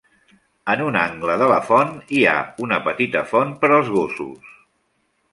En un angle de la font hi ha una petita font per als gossos.